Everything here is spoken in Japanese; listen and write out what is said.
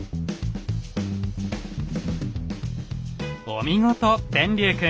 お見事天龍くん。